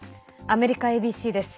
アメリカＡＢＣです。